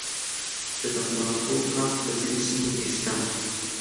د تنباکو کښت په ځینو سیمو کې شته